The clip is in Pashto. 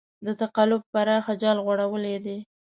د تقلب پراخ جال غوړولی دی.